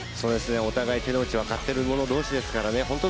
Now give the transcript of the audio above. お互い、手の内分かっている者同士ですからね、本当、